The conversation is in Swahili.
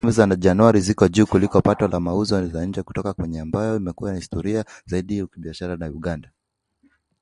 Takwimu za Januari ziko juu kuliko pato la mauzo ya nje kutoka Kenya, ambayo imekuwa kihistoria ni mshirika mkubwa zaidi wa kibiashara na Uganda.